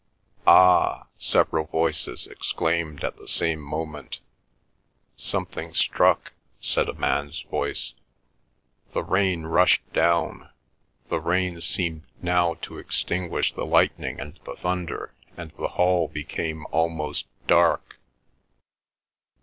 "Ah!" several voices exclaimed at the same moment. "Something struck," said a man's voice. The rain rushed down. The rain seemed now to extinguish the lightning and the thunder, and the hall became almost dark.